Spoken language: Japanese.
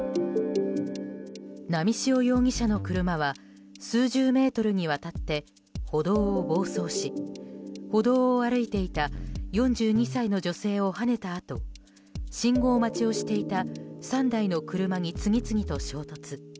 波汐容疑者の車は数十メートルにわたって歩道を暴走し、歩道を歩いていた４２歳の女性をはねたあと信号待ちをしていた３台の車に次々と衝突。